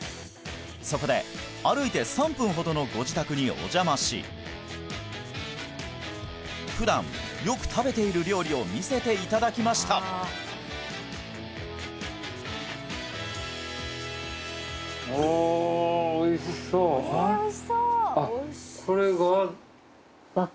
そこで歩いて３分ほどのご自宅にお邪魔し普段よく食べている料理を見せていただきましたおおいしそうあっこれが？